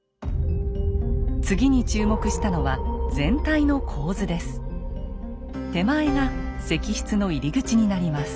次に注目したのは手前が石室の入り口になります。